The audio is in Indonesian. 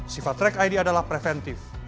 sifat track id adalah preventif